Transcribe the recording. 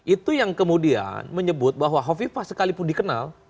itu yang kemudian menyebut bahwa hovifah sekalipun dikenal